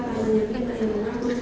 tayangnya kita yang mengambut